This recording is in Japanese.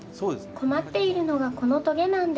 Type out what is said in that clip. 困っているのがこのトゲなんです。